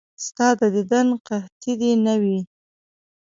ستا د دیدن قحطي دې نه وي.